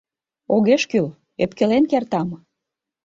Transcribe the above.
Огеш кӱл — ӧпкелен кертам.